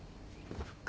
復活？